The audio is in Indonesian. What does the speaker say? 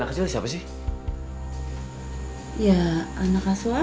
sampai jumpa di video selanjutnya